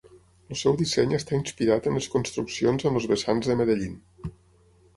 El seu disseny està inspirat en les construccions en els vessants de Medellín.